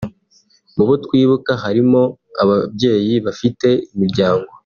Mu bo twibuka hari mo ababyeyi bafite imiryango